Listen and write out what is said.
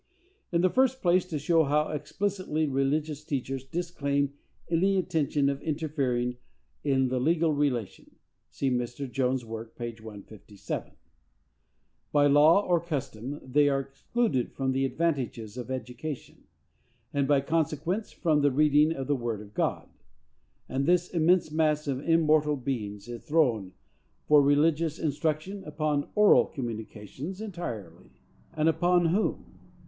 In the first place, to show how explicitly religious teachers disclaim any intention of interfering in the legal relation (see Mr. Jones' work, p. 157): By law or custom, they are excluded from the advantages of education; and, by consequence, from the reading of the word of God; and this immense mass of immortal beings is thrown, for religious instruction, upon oral communications entirely. And upon whom?